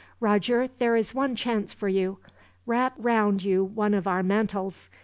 "Roger, there is one chance for you. Wrap round you one of our mantles.